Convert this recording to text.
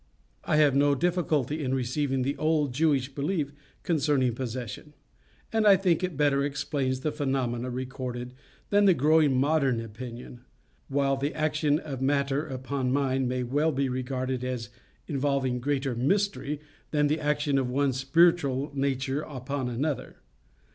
I have no difficulty in receiving the old Jewish belief concerning possession; and I think it better explains the phenomena recorded than the growing modern opinion; while the action of matter upon mind may well be regarded as involving greater mystery than the action of one spiritual nature upon another.